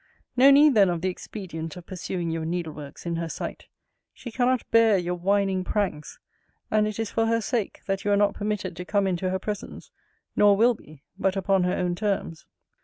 No need then of the expedient of pursuing your needleworks in her sight. She cannot bear your whining pranks: and it is for her sake, that you are not permitted to come into her presence nor will be, but upon her own terms.